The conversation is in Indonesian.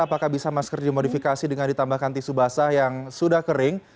apakah bisa masker dimodifikasi dengan ditambahkan tisu basah yang sudah kering